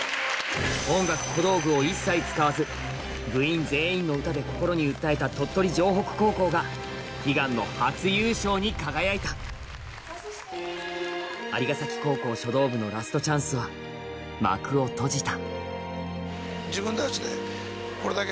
音楽小道具を一切使わず部員全員の歌で心に訴えた鳥取城北高校が悲願の初優勝に輝いた蟻ヶ崎高校書道部のそれが。をはじめ。